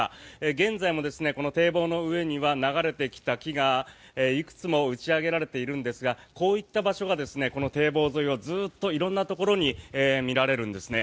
現在も、この堤防の上には流れてきた木がいくつも打ち上げられているんですがこういった場所が堤防沿いのずっと色んなところで見られるんですね。